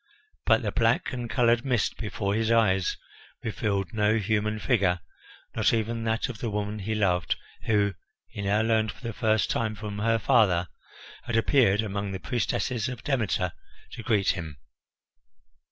But the black and coloured mist before his eyes revealed no human figure, not even that of the woman he loved, who, he now learned for the first time from her father, had appeared among the priestesses of Demeter to greet him.